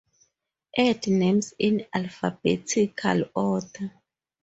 Add names in alphabetical order.